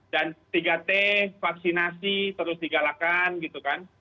dan tiga t vaksinasi terus digalakan gitu kan